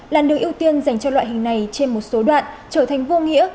làn đường ưu tiên dành cho loại hình này trên một số đoạn trở thành vô nghĩa